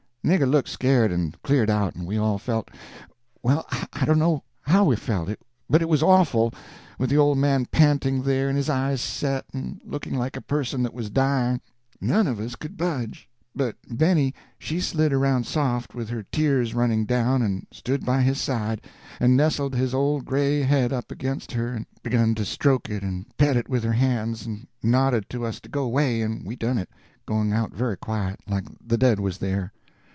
The nigger looked scared and cleared out, and we all felt—well, I don't know how we felt, but it was awful, with the old man panting there, and his eyes set and looking like a person that was dying. None of us could budge; but Benny she slid around soft, with her tears running down, and stood by his side, and nestled his old gray head up against her and begun to stroke it and pet it with her hands, and nodded to us to go away, and we done it, going out very quiet, like the dead was there.